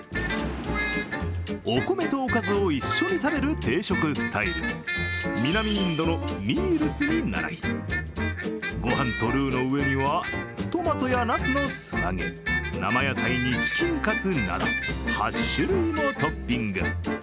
お米とおかずを一緒に食べる定食スタイル、南インドのミールスにならい、御飯とルーの上には、トマトやなすの素揚げ、生野菜にチキンカツなど、８種類もトッピング。